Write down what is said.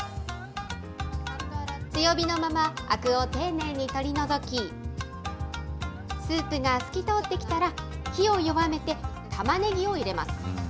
強火のまま、アクを丁寧に取り除き、スープが透き通ってきたら、火を弱めてたまねぎを入れます。